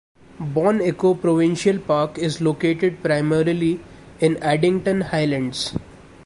Bon Echo Provincial Park is located primarily in Addington Highlands.